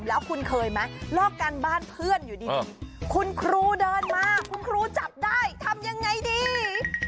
แล้วคุณเคยไหมเลิกการบ้านเพื่อนอยู่ดีคุณครูเดินมาคุณครูจับได้ทำยังไงดี